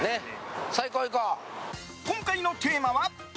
今回のテーマは？